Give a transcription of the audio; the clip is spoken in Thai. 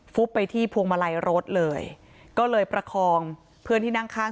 ไปที่พวงมาลัยรถเลยก็เลยประคองเพื่อนที่นั่งข้าง